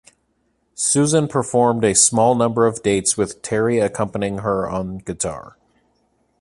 Susan performed a small number of dates with Terry accompanying her on guitar.